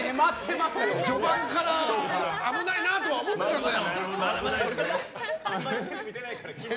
序盤から危ないなとは思ったんだけど。